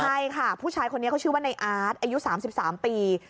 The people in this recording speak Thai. ใช่ค่ะผู้ชายคนนี้เขาชื่อว่าในอาร์ตอายุ๓๓ปี